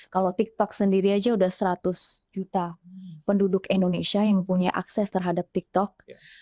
kalau tiktok sendiri aja udah seratus juta penduduk indonesia yang punya akses terhadap tiktok